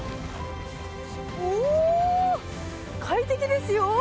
お快適ですよ！